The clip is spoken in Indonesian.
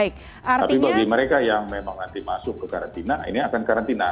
tapi bagi mereka yang memang nanti masuk ke karantina ini akan karantina